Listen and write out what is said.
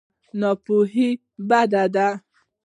ناپوهي بده ده.